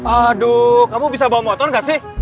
aduh kamu bisa bawa motor gak sih